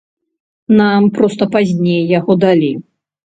Нам проста пазней яго далі.